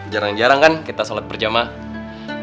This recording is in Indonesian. jarang jarang kan kita sholat berjamaah